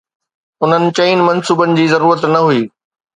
انهن چئن منصوبن جي ضرورت نه هئي.